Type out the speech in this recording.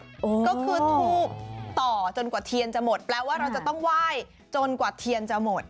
ก็คือทูบต่อจนกว่าเทียนจะหมดแปลว่าเราจะต้องไหว้จนกว่าเทียนจะหมด